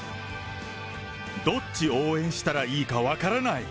どっち応援したらいいか分からない。